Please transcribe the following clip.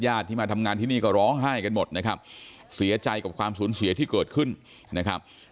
ที่มาทำงานที่นี่ก็ร้องไห้กันหมดนะครับเสียใจกับความสูญเสียที่เกิดขึ้นนะครับ